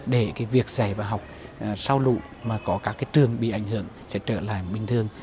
để việc dạy và học sau lụ mà có các trường bị ảnh hưởng sẽ trở lại bình thường